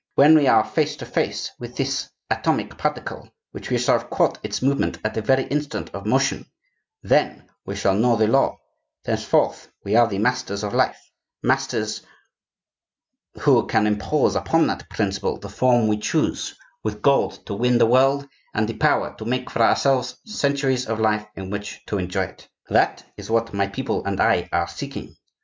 When we are face to face with this atomic particle, when we shall have caught its movement at the very instant of motion, then we shall know the law; thenceforth we are the masters of life, masters who can impose upon that principle the form we choose,—with gold to win the world, and the power to make for ourselves centuries of life in which to enjoy it! That is what my people and I are seeking.